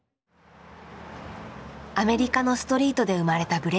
アメリカのストリートで生まれたブレイキン。